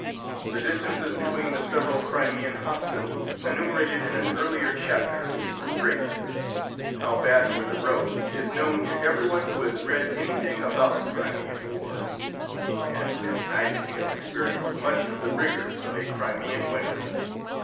The distances between the several Crimean hospitals, enumerated in an earlier chapter (p. 254), were great; how bad were the roads is known to every one who has read anything about the Crimean War; and Miss Nightingale experienced much of the rigour of a Crimean winter.